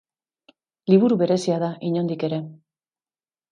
Liburu berezia da inondik ere.